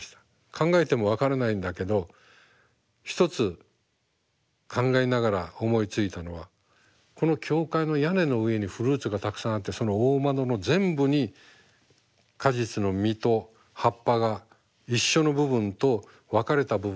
考えても分からないんだけど一つ考えながら思いついたのはこの教会の屋根の上にフルーツがたくさんあってその大窓の全部に果実の実と葉っぱが一緒の部分と分かれた部分がある。